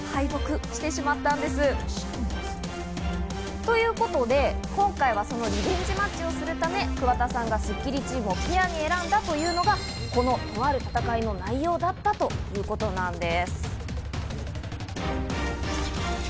ただ惜しくも敗北してしまったんです。ということで、今回はそのリベンジマッチをするため、桑田さんがスッキリチームをペアに選んだというのがこの「とある戦い」の内容だったということなんです。